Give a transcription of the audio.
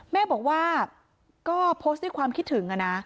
แม่บอกว่าก็โพสต์ด้วยความคิดถึงนะ